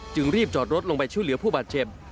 จึงรีบจอดรถลงไปชื่อเหลือผู้บัดเฉพ